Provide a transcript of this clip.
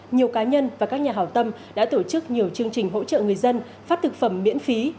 nhiều cá nhân và các nhà hào tâm đã tổ chức nhiều chương trình hỗ trợ người dân phát thực phẩm miễn phí